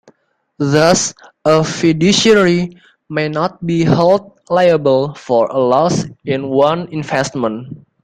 Thus, a fiduciary may not be held liable for a loss in one investment.